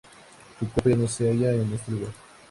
Su cuerpo ya no se halla en este lugar.